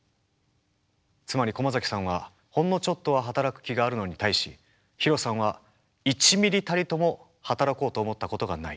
つまり駒崎さんはほんのちょっとは働く気があるのに対しヒロさんは１ミリたりとも働こうと思ったことがない。